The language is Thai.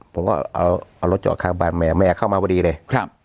ผมก็เอารถจอดข้างบ้านแม่แม่เข้ามาพอดีเลยครับ